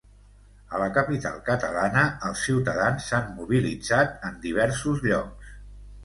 A la capital catalana, els ciutadans s’han mobilitzat en diversos llocs.